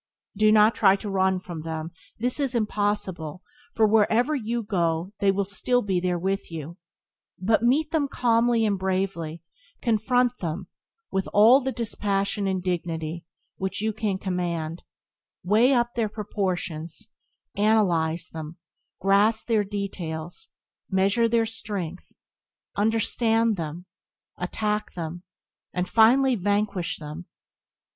Do not try to run away from them; this is impossible, for wherever you go they will still be there with you — but meet them calmly and bravely; confront them with all the dispassion and dignity which you can command; weigh up their proportions; analyze them; grasp their details; measure their strength; understand them; attack them, and finally vanquish them.